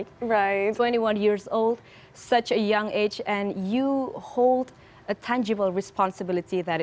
dan anda memiliki tanggung jawab yang tanggung jawab yang terdapat dari panggung anda